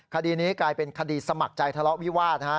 คดีนี้กลายเป็นคดีสมัครใจทะเลาะวิวาส